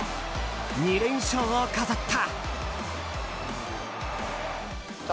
２連勝を飾った。